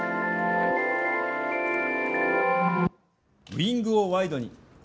ウイングをワイドに！